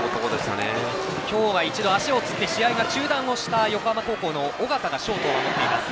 今日は一度足をつって試合が中断した横浜高校の緒方がショートを守っています。